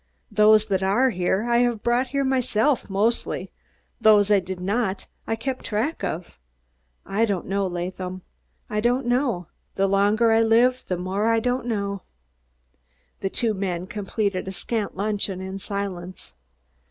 Dose dat are here I haf bring in myself, mostly dose I did not I haf kept drack of. I don'd know, Laadham, I don'd know. Der longer I lif der more I don'd know." The two men completed a scant luncheon in silence.